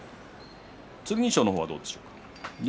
剣翔の方はどうでしょうか。